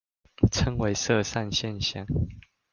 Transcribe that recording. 稱為色散現象